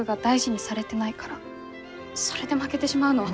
それで負けてしまうのは。